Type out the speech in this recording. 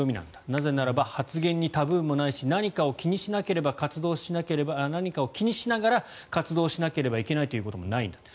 なぜならば発言にタブーもないし何かを気にしながら活動しなければいけないということもないんだと。